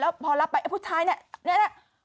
แล้วพอรับไปผู้ชายนี่นี่